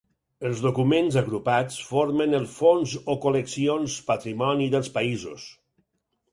Els documents, agrupats, formen els fons o col·leccions, patrimoni dels països.